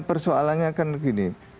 persoalannya kan gini